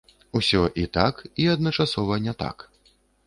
Усё і так, і адначасова не так.